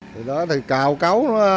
thì đó thì cao cáu